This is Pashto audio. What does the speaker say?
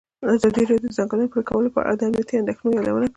ازادي راډیو د د ځنګلونو پرېکول په اړه د امنیتي اندېښنو یادونه کړې.